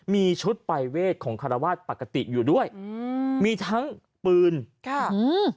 มีชุดปรายเวทของคารวาสปกติอยู่ด้วยอืมมีทั้งปืนค่ะอืม